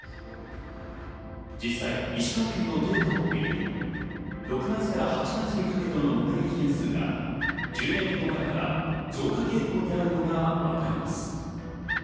実際、石川県のデータを見ると６月から８月にかけての目撃件数が１０年ほど前から増加傾向にあるのがわかります。